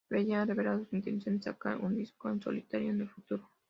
Bell ha revelado su intención de sacar un disco en solitario en el futuro.